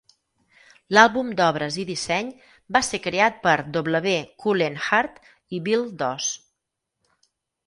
L'àlbum d'obres i disseny va ser creat per W. Cullen Hart i Bill Doss.